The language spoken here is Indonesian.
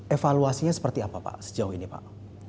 evaluasinya seperti apa pak sejauh ini pak